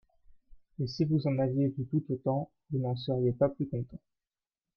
Et si vous en aviez vu tout autant vous n'en seriez pas plus content.